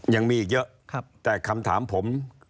ยังมีอีกเยอะแต่คำถามผม